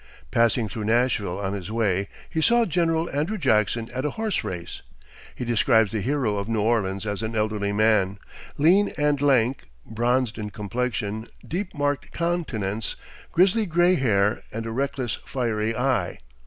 Passing through Nashville on his way, he saw General Andrew Jackson at a horse race. He describes the hero of New Orleans as an elderly man, "lean and lank, bronzed in complexion, deep marked countenance, grisly gray hair, and a restless, fiery eye."